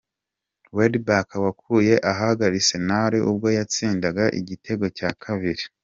Welbeck wakuye ahaga Arsenal ubwo yatsindaga igitego cya Kabiri